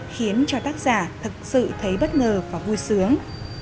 khiến cho tác giả thật sự thấy bất ngờ và vui sướng